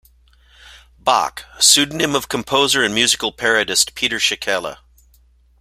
Bach, pseudonym of composer and musical parodist Peter Schickele.